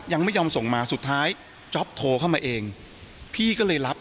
ยังไม่ยอมส่งมาสุดท้ายจ๊อปโทรเข้ามาเองพี่ก็เลยรับ